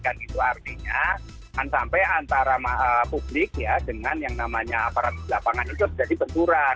kan itu artinya kan sampai antara publik ya dengan yang namanya aparat di lapangan itu terjadi teguran